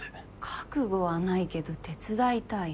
覚悟はないけど手伝いたい？